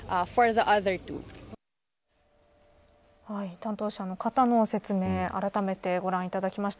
担当者の方の説明あらためてご覧いただきました。